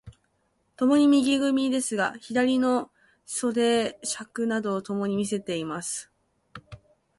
共に右組ですが、左の袖釣などをともに見せています。